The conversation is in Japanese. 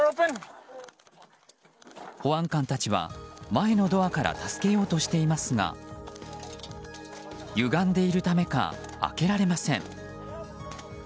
保安官たちは前のドアから助けようとしていますが歪んでいるためか開けられません。